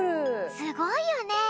すごいよね！